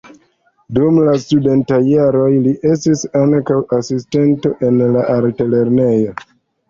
Dum la studentaj jaroj li estis ankaŭ asistanto en la altlernejo.